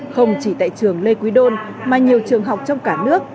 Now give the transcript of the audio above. không chỉ tại trường lê quý đôn mà nhiều trường học trong cả nước